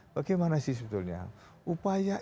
bagaimana sih sebetulnya upaya